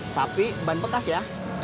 tapi ban bekas ya